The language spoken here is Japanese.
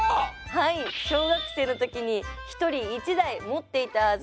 はい小学生の時に１人１台持っていたはず